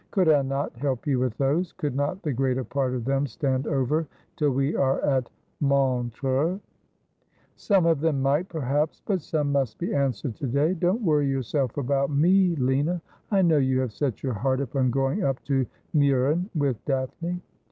' Could I not help you with those ? Could not the greater part of them stand over till we are at Montreux ?'' Some of them might, perhaps ; but some must be answered to day. Don't worry yourself about me, Lina ; I know you have set your heart upon going up to Miirren with Daphne.'